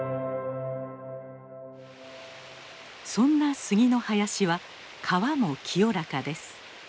そんな杉の林は川も清らかです。